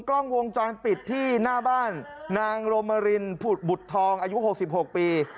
กล้องวงจรปิดที่หน้าบ้านนางโรมรินบุตรทองอายุหกสิบหกปี